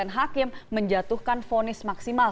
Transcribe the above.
hakim menjatuhkan fonis maksimal